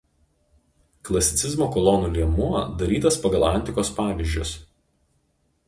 Klasicizmo kolonų liemuo darytas pagal antikos pavyzdžius.